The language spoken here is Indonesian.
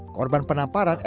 korban penamparan l i p